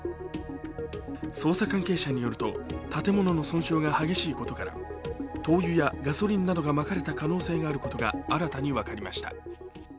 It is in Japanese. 捜査関係者によると、建物の損傷が激しいことから灯油やガソリンなどがまかれた可能性があることが新たに分かりました。